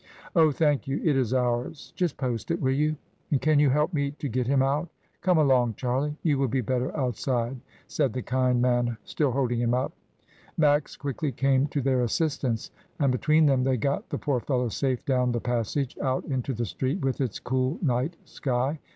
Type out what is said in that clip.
"Oh, thank you! it is ours. Just post it, will you? and can you help me to get him out? Come along, Charlie; you will be better outside," said the kind PRINCE Hassan's carpet. 197 man, still holding him up. Max quickly came to their assistance, and between them they got the poor fellow safe down the passage, out into the street, with its cool night sky.